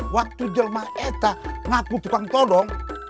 waktu jelma itu ngaku tukang tolong